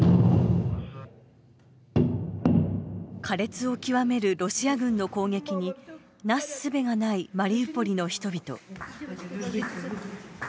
苛烈を極めるロシア軍の攻撃になすすべがないマリウポリの人々。